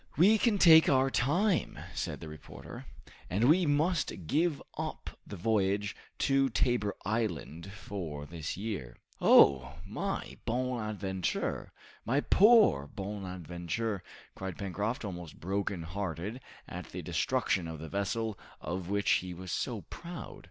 "We can take our time," said the reporter, "and we must give up the voyage to Tabor Island for this year." "Oh, my 'Bonadventure!' my poor 'Bonadventure!'" cried Pencroft, almost broken hearted at the destruction of the vessel of which he was so proud.